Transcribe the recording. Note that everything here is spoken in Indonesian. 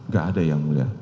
gak ada yang mulia